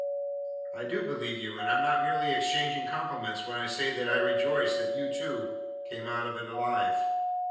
"I do believe you, and I am not merely exchanging compliments when I say that I rejoice that you, too, came out of it alive."